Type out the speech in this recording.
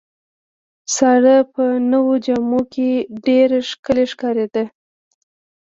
ساره په نوو جامو کې ډېره ښکلې ښکارېده.